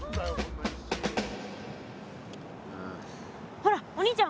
ほらお兄ちゃん